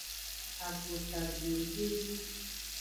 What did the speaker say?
Agbota dwini ejieji.